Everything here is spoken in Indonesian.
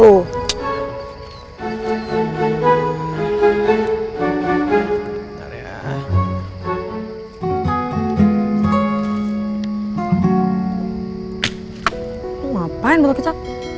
lo ngapain baru kecap